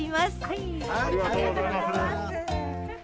ありがとうございます。